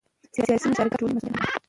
سیاسي مشارکت د ټولنې مسؤلیت هم دی